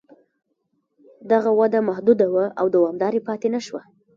دغه وده محدوده وه او دوامداره پاتې نه شوه.